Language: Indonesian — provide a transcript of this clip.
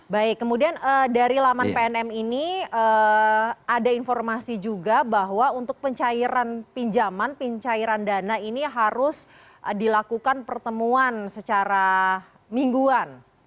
baik kemudian dari laman pnm ini ada informasi juga bahwa untuk pencairan pinjaman pencairan dana ini harus dilakukan pertemuan secara mingguan